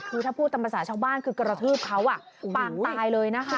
คือถ้าพูดตามภาษาชาวบ้านคือกระทืบเขาปางตายเลยนะคะ